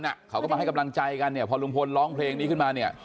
เขาก็มาให้กำลังใจกันเนี่ยพอลุงพลร้องเพลงนี้ขึ้นมาเนี่ย